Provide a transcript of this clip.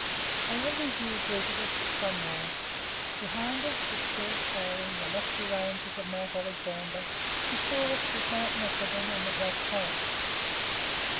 A lovely view greeted us at sunrise. Behind us were still towering the lofty ranges of Mount Alexander, before us was Mount Macedon and the Black Forest.